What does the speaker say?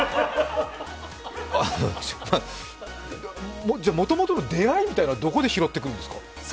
あのじゃ、もともとの出会いっていうのはどこで拾ってくるんですか。